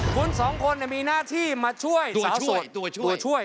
คุณสองคนหน้ามีหน้าที่มาช่วยตัวช่วย